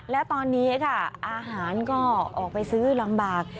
และตอนนี้ค่ะอาหารก็ออกไปซื้อลำบาก